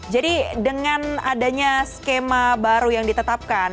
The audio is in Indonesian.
jadi dengan adanya skema baru yang ditetapkan